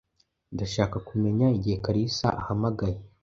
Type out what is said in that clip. Ndashaka kumenya igihe Kalisa ahamagaye.